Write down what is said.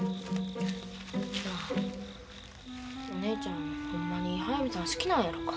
お姉ちゃんほんまに速水さん好きなんやろか。